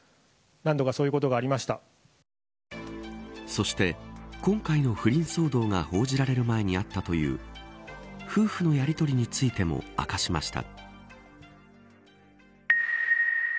そして、今回の不倫騒動が報じられる前にあったという夫婦のやりとりについても明かしました。